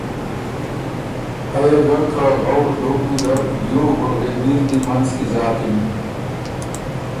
ایه ګه که غؤر دوک ویزر، دیو وُرغېوي ر دی منځ کی زاکِن۔